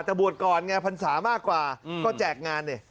แต่บวชก่อนไงพรรษามากกว่าก็แจกงานเนี่ย